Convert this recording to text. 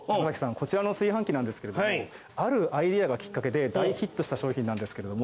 こちらの炊飯器なんですけれどもあるアイデアがきっかけで大ヒットした商品なんですけれども。